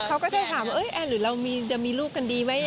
เขาก็จะถามว่าเอ๊ะแอนด์หรือเรามีจะมีลูกกันดีไหม